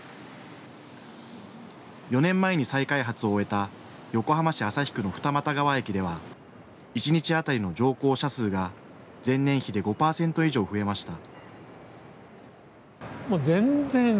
４年前に再開発を終えた横浜市旭区の二俣川駅では１日当たりの乗降者数が前年比で５％以上増えました。